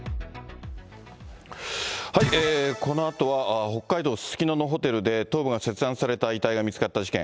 このあとは北海道すすきののホテルで頭部が切断された遺体が見つかった事件。